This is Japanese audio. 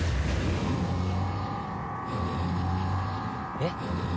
えっ？